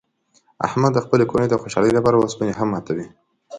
احمد د خپلې کورنۍ د خوشحالۍ لپاره اوسپنې هم ماتوي.